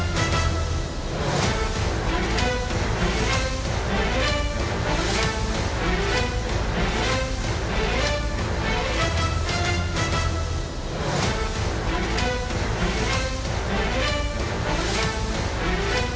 โปรดติดตามตอนต่อไป